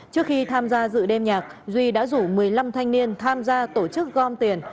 trước khi tham gia dự đêm nhạc duy đã rủ một mươi năm thanh niên tham gia tổ chức gom tiền